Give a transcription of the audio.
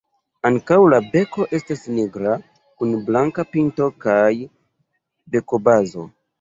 Ankaŭ la beko estas nigra kun blanka pinto kaj bekobazo.